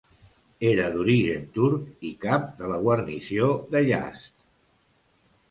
Era d'origen turc i cap de la guarnició de Yazd.